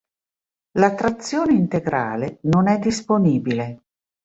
La trazione integrale non è disponibile.